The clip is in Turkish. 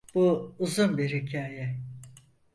Bu uzun bir hikaye.